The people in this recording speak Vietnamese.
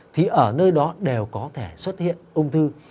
thì ở nơi đó đều có thể xuất hiện ung thư